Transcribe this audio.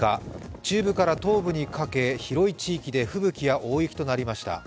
中部から東部にかけ、広い地域で吹雪や大雪となりました。